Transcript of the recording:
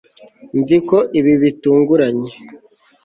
nzi ko ibi bitunguranye